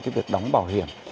cái việc đóng bảo hiểm